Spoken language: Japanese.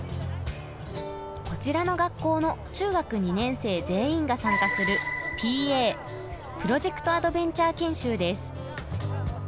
こちらの学校の中学２年生全員が参加するＰＡプロジェクトアドベンチャー研修です。